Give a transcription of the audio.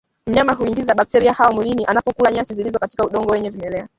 Mnyama huingiza bakteria hawa mwilini anapokula nyasi zilizo katika udongo wenye vimelea